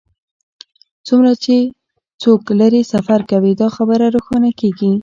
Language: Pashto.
څومره چې څوک لرې سفر کوي دا خبره روښانه کیږي